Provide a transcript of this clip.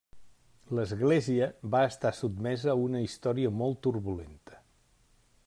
L'església va estar sotmesa a una història molt turbulenta.